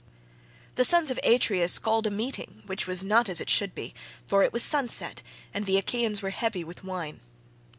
"The sons of Atreus called a meeting which was not as it should be, for it was sunset and the Achaeans were heavy with wine.